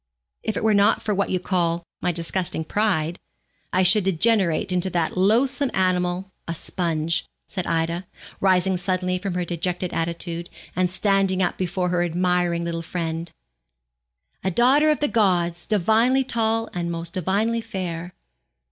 'If it were not for what you call my disgusting pride, I should degenerate into that loathsome animal a sponge,' said Ida, rising suddenly from her dejected attitude, and standing up before her admiring little friend, 'A daughter of the gods, divinely tall And most divinely fair.'